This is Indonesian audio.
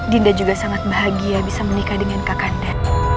dinda juga sangat bahagia bisa menikah dengan kakaknda